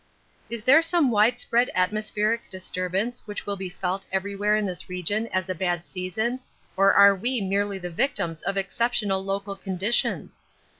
Is there some widespread atmospheric disturbance which will be felt everywhere in this region as a bad season, or are we merely the victims of exceptional local conditions?